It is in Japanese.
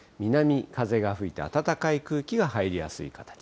南風が吹いて、暖かい空気が入りやすい形。